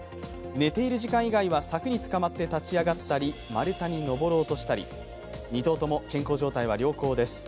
寝ている時間以外は柵につかまって立ち上がったり、丸太に登ろうとしたり、２頭とも健康状態は良好です。